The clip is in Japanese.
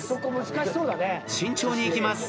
慎重に行きます。